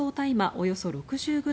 およそ６０ｇ